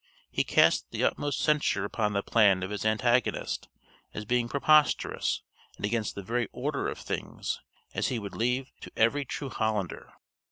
He cast the utmost censure upon the plan of his antagonist, as being preposterous, and against the very order of things, as he would leave to every true Hollander.